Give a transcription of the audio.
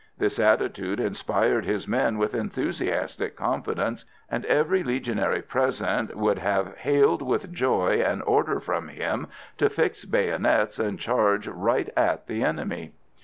This attitude inspired his men with enthusiastic confidence, and every Legionary present would have hailed with joy an order from him to fix bayonets and charge right at the enemy.